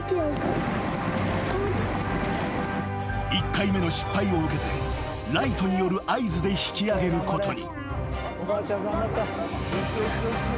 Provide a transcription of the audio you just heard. ［１回目の失敗を受けてライトによる合図で引き上げることに］